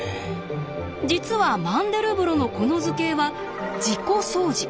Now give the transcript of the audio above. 実はマンデルブロのこの図形は「自己相似」